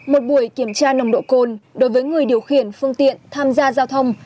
một buổi kiểm tra nồng độ cồn đối với người điều khiển phương tiện tham gia giao thông